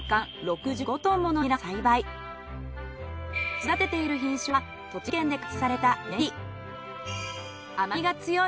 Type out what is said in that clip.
育てている品種は栃木県で開発されたゆめみどり。